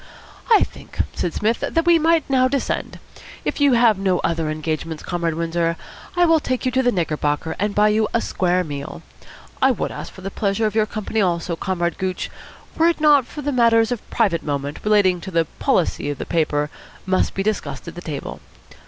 "I think," said Psmith, "that we might now descend. If you have no other engagements, Comrade Windsor, I will take you to the Knickerbocker, and buy you a square meal. I would ask for the pleasure of your company also, Comrade Gooch, were it not that matters of private moment, relating to the policy of the paper, must be discussed at the table.